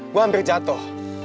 gue hampir jatuh